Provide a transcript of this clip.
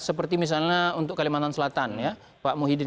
seperti misalnya untuk kalimantan selatan ya pak muhidin